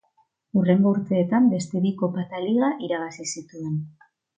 Hurrengo urteetan beste bi kopa eta liga bat irabazi zituen.